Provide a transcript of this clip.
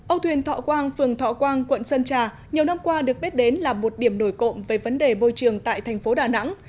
âu thuyền thọ quang phường thọ quang quận sơn trà nhiều năm qua được biết đến là một điểm nổi cộng về vấn đề bôi trường tại thành phố đà nẵng